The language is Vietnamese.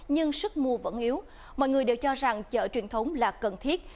nhưng sức mua vẫn yếu mọi người đều cho rằng chợ truyền thống là cần thiết